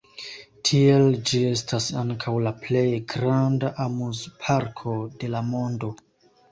Tiel, ĝi estas ankaŭ la plej granda amuzparko de la mondo.